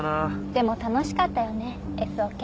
でも楽しかったよねＳオケ。